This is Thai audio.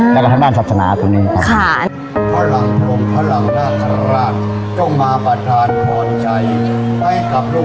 และก็ทางด้านศักดิ์ภาษณาตรงนี้